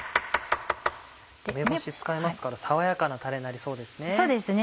梅干し使いますから爽やかなタレになりそうですね。